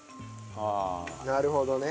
なるほどね。